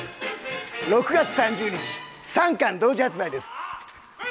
６月３０日３巻同時発売です。